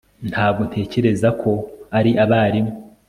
ntabwo ntekereza ko ari abarimu